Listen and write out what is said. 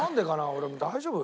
俺大丈夫？